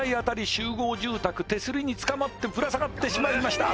集合住宅手すりにつかまってぶら下がってしまいました